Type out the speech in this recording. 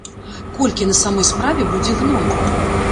Колькі на самой справе будзе гною?